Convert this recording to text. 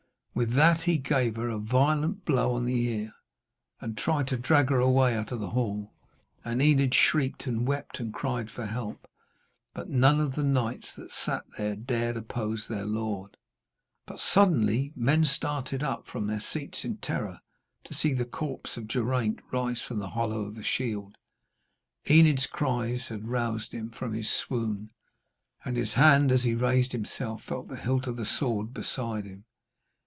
With that he gave her a violent blow on the ear, and tried to drag her away out of the hall. And Enid shrieked and wept and cried for help, but none of the knights that sat there dared to oppose their lord. But suddenly men started up from their seats in terror to see the corpse of Geraint rise from the hollow of the shield. Enid's cries had roused him from his swoon, and his hand as he raised himself felt the hilt of the sword beside him.